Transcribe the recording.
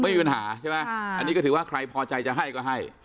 ไม่มีปัญหาใช่ไหมอันนี้ก็ถือว่าใครพอใจจะให้ก็ให้